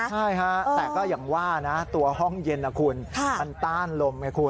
ใช่ค่ะแต่ก็อย่างว่าตัวห้องเย็นมันต้านลม